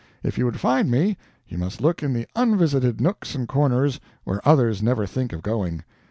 If you would find me, you must look in the unvisited nooks and corners where others never think of going.